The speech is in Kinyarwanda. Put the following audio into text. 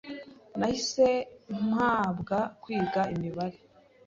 nahise mpabwa kwiga imibare,